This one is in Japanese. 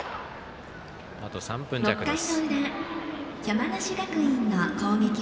あと３分弱です。